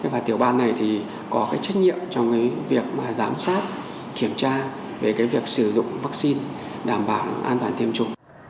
và tiểu ban này có trách nhiệm trong việc giám sát kiểm tra về việc sử dụng vaccine đảm bảo an toàn tiêm chủ